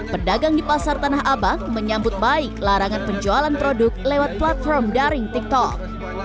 pedagang di pasar tanah abang menyambut baik larangan penjualan produk lewat platform daring tiktok